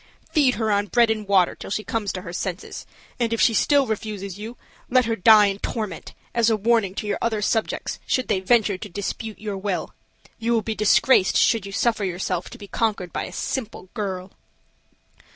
Feed her on bread and water till she comes to her senses; and if she still refuses you, let her die in torment, as a warning to your other subjects should they venture to dispute your will. You will be disgraced should you suffer yourself to be conquered by a simple girl."